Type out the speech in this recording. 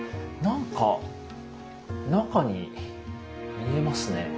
何か中に見えますね。